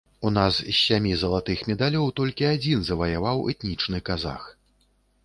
У нас з сямі залатых медалёў толькі адзін заваяваў этнічны казах.